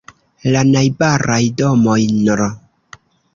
La najbaraj domoj nr.